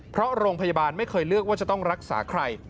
เพราะโรงพยาบาลไม่เคยเลือกว่าจะต้องรักษาใคร